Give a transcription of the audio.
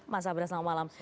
mas abra selamat malam